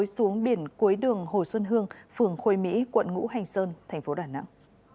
xuống biển cuối đường hồ xuân hương phường khôi mỹ quận ngũ hành sơn thành phố đà nẵng